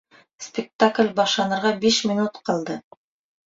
Спектакль башланырға биш минут ҡалды.